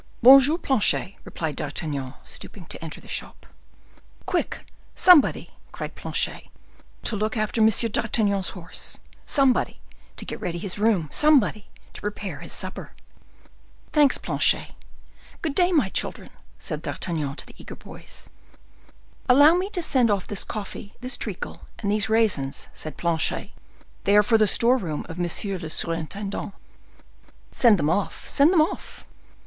"Bon jour, Planchet," replied D'Artagnan, stooping to enter the shop. "Quick, somebody," cried Planchet, "to look after Monsieur d'Artagnan's horse,—somebody to get ready his room,—somebody to prepare his supper." "Thanks, Planchet. Good day, my children!" said D'Artagnan to the eager boys. "Allow me to send off this coffee, this treacle, and these raisins," said Planchet; "they are for the store room of monsieur le surintendant." "Send them off, send them off!"